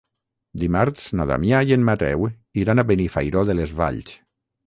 Dimarts na Damià i en Mateu iran a Benifairó de les Valls.